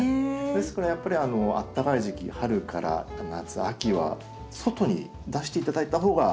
ですからやっぱりあったかい時期春から夏秋は外に出して頂いた方が。